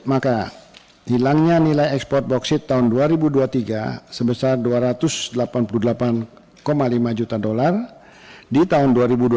maka hilangnya nilai ekspor bauksit tahun dua ribu dua puluh tiga sebesar dua ratus delapan puluh delapan lima juta dolar di tahun dua ribu dua puluh